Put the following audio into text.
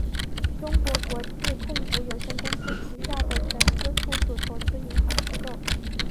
中银国际控股有限公司旗下的全资附属投资银行机构。